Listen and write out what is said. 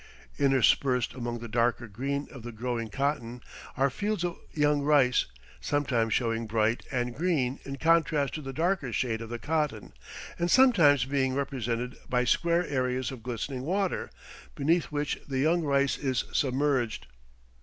Interspersed among the darker green of the growing cotton are fields of young rice, sometimes showing bright and green in contrast to the darker shade of the cotton, and sometimes being represented by square areas of glistening water, beneath which the young rice is submerged.